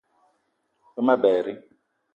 Ve ma berri